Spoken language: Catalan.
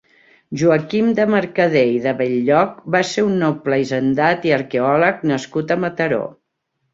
Joaquim de Mercader i de Bell-lloc va ser un noble hisendat i arqueòleg nascut a Mataró.